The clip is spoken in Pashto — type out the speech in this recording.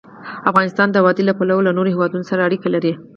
افغانستان د وادي له پلوه له نورو هېوادونو سره اړیکې لري.